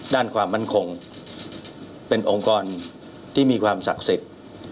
ด้านความมั่นคงเป็นองค์กรที่มีความศักดิ์สิทธิ์